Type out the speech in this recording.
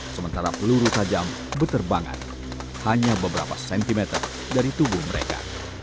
sementara peluru tajam berterbangan hanya beberapa sentimeter dari tubuh mereka